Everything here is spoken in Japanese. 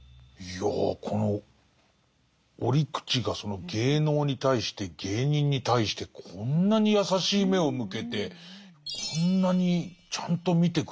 いやこの折口がその芸能に対して芸人に対してこんなに優しい目を向けてこんなにちゃんと見てくれてるというか。